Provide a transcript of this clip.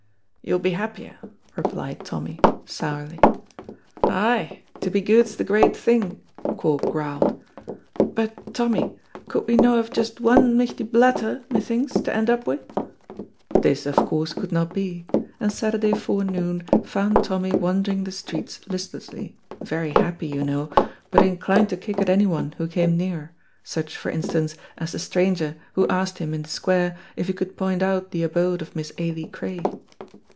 "You'll be happier," replied Tommy, sourly. "Ay, to be good's the great thing," Corp growled; "but, Tommy, could we no have just one michty blatter, methinks, to end up wi'?" This, of course, could not be, and Saturday forenoon found Tommy wandering the streets listlessly, very happy, you know, but inclined to kick at any one who came near, such, for instance, as the stranger who asked him in the square if he could point out the abode of Miss Ailie Cray.